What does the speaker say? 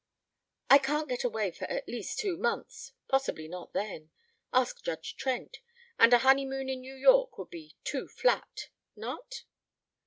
"I can't get away for at least two months possibly not then. Ask Judge Trent. And a honeymoon in New York would be too flat not?"